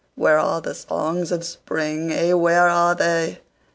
Where are the songs of Spring? Ay, where are they?